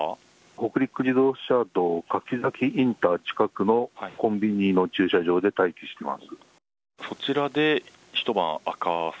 北陸自動車道柿崎インター近くの駐車場で待機しています。